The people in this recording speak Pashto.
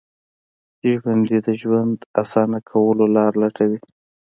ژوندي د ژوند اسانه کولو لارې لټوي